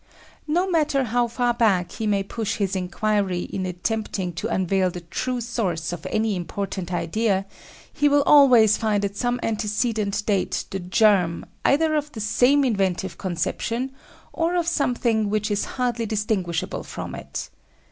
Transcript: No matter how far back he may push his inquiry in attempting to unveil the true source of any important idea, he will always find at some antecedent date the germ, either of the same inventive conception, or of something which is hardly distinguishable from it.